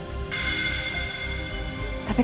tapi kenapa sekarang om sengaja ngobrol